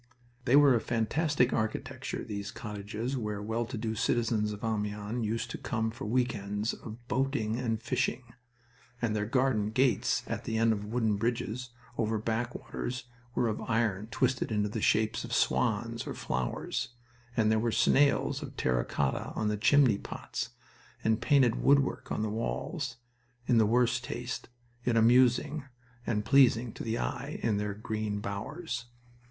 They were of fantastic architecture these Cottages where well to do citizens of Amiens used to come for week ends of boating and fishing and their garden gates at the end of wooden bridges over back waters were of iron twisted into the shapes of swans or flowers, and there were snails of terra cotta on the chimney pots, and painted woodwork on the walls, in the worst taste, yet amusing and pleasing to the eye in their green bowers.